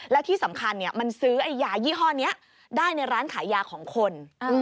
และที่สำคัญมันซื้อไอ้ยายี่ห้อนี้ได้ในร้านขายยาของคน